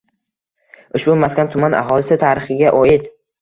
Ushbu maskan tuman aholisi tarixiga oid.